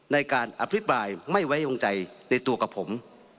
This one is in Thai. ในการอภิปรายไม่ไว้วางใจในตัวกับผม